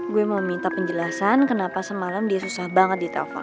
gue mau minta penjelasan kenapa semalem dia susah banget ditelepon